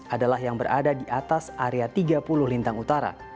adalah yang berada di atas area tiga puluh lintang utara